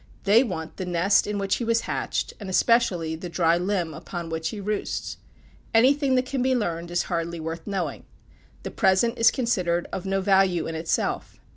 They want the nest in which he was hatched, and especially the dry limb upon which he roosts. Anything that can be learned is hardly worth knowing. The present is considered of no value in itself.